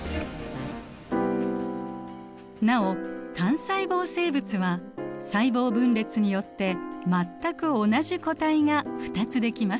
なお単細胞生物は細胞分裂によって全く同じ個体が２つできます。